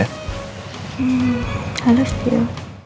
hmm halus dia